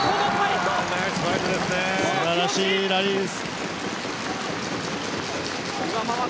素晴らしいラリーです。